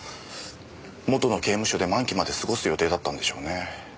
元の刑務所で満期まで過ごす予定だったんでしょうね。